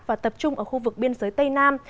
và tập trung ở khu vực biên giới tây nam